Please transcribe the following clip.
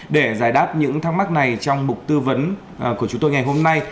để giải đáp những thắc mắc này trong mục tư vấn của chúng tôi ngày hôm nay